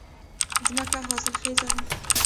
ځمکه حاصلخېزه ده